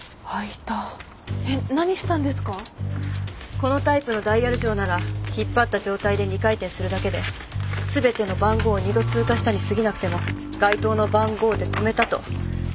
このタイプのダイヤル錠なら引っ張った状態で２回転するだけで全ての番号を二度通過したにすぎなくても該当の番号で止めたと内部機構が勝手に解釈するの。